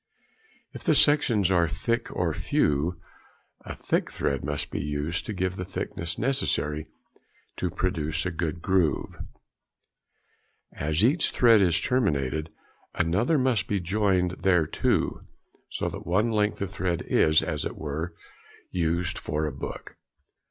If the sections are thick or few, a thick thread must be used to give the thickness necessary to produce a good groove. As each thread is terminated, another must be joined thereto, so that one length of thread is, as it were, used for a book.